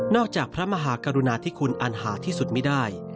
จากพระมหากรุณาธิคุณอันหาที่สุดไม่ได้